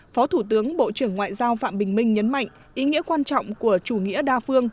phó thủ tướng bộ trưởng ngoại giao phạm bình minh nhấn mạnh ý nghĩa quan trọng của chủ nghĩa đa phương